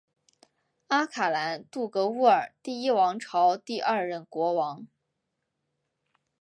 阿卡兰杜格乌尔第一王朝第二任国王。